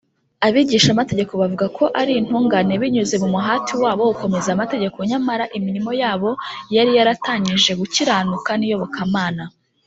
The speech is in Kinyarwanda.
abigishamategeko bavugaga ko ari intungane binyuze mu muhati wabo wo gukomeza amategeko; nyamara imirimo yabo yari yaratanyije gukiranuka n’iyobokamana